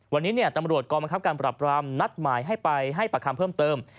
วันนี้ตำรวจกองบังคับการปรับรามนัดหมายให้ไปให้ประคำเพิ่มเติม